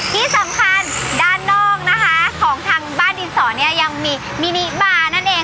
ที่สำคัญด้านนอกนะคะของทางบ้านดินสอเนี่ยยังมีมินิบานั่นเอง